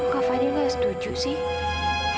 kok kak fadil gak setuju sih